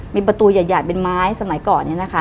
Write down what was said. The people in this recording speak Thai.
มีประตูใหญ่เป็นไม้สมัยก่อน